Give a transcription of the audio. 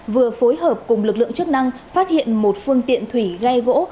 vừa phối hợp cùng lực lượng chức năng phát hiện một phương tiện thủy ghe gỗ